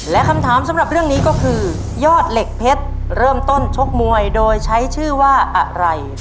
และคำถามสำหรับเรื่องนี้ก็คือยอดเหล็กเพชรเริ่มต้นชกมวยโดยใช้ชื่อว่าอะไร